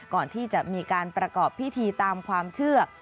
ก่อนที่จะมีการประกอบพิธีตามความเชื่อ